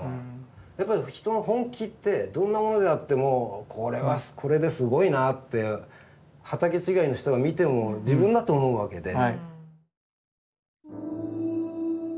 やっぱり人の本気ってどんなものであってもこれはこれですごいなって畑違いの人が見ても自分だって思うわけで。